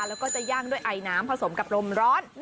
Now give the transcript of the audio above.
แล้วก็จะย่างด้วยไอน้ำผสมกับลมร้อน